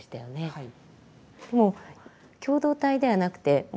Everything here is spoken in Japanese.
はい。